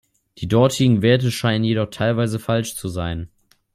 Die dortigen Werte scheinen jedoch teilweise falsch zu sein.